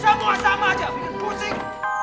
sama sama aja bikin pusing